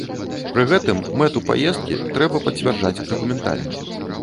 Пры гэтым мэту паездкі трэба пацвярджаць дакументальна.